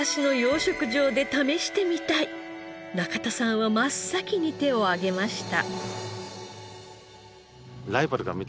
中田さんは真っ先に手を挙げました。